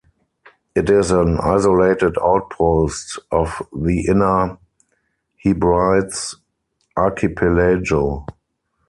It is an isolated outpost of the Inner Hebrides archipelago.